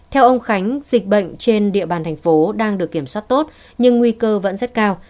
theo ông khánh dịch bệnh trên địa bàn thành phố đang được kiểm soát tốt nhưng nguy cơ vẫn rất cao